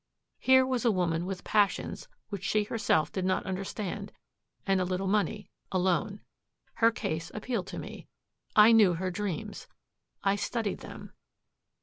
Here was a woman with passions which she herself did not understand, and a little money alone. Her case appealed to me. I knew her dreams. I studied them."